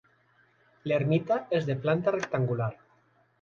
L'Ermita és de planta rectangular.